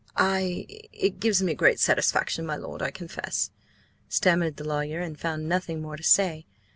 "I— It gives me great satisfaction, my lord, I confess," stammered the lawyer, and found nothing more to say.